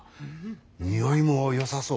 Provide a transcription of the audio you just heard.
匂いもよさそう。